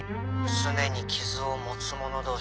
「すねに傷を持つ者同士」